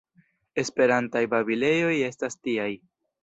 Esperantaj babilejoj estas tiaj.